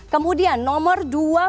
kemudian nomor dua puluh dua